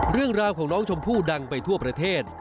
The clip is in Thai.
เรื่องราวของน้องชมพู่ดังไปทั่วประเทศ